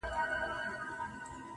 تر مرگه پوري هره شـــپــــــه را روان.